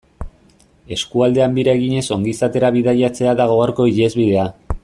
Eskualdean bira eginez ongizatera bidaiatzea da gaurko ihesbidea.